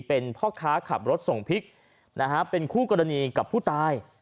เป็นพ่อค้าขับรถส่งพริกนะฮะเป็นคู่กรณีกับผู้ตาย